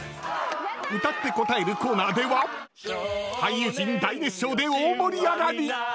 歌って答えるコーナーでは俳優陣大熱唱で大盛り上がり。